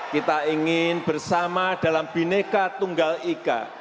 kita ingin bersama dalam bineka tunggal ika